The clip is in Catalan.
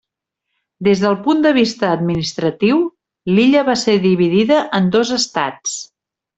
Des del punt de vista administratiu, l'illa va ser dividida en dos estats.